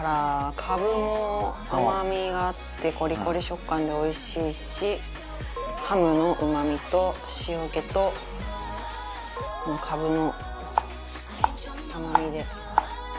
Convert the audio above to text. カブも甘みがあってコリコリ食感でおいしいしハムのうまみと塩気とカブの甘みで。